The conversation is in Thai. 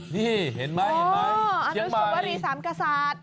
นี่เห็นไหมอ๋ออันสุรวรีสามกษาตร